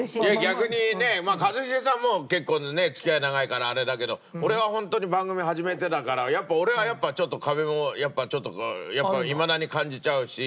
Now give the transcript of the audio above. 逆にね一茂さんはもう結構ね付き合い長いからあれだけど俺はホントに番組始めてだから俺はやっぱちょっと壁もいまだに感じちゃうし。